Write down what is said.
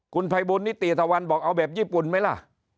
คุณภัยบุญนิติธวรรณบอกเอาแบบญี่ปุ่นไหมล่ะ